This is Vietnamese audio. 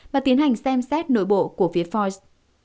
và tiến hành xem xét nội bộ của phía foice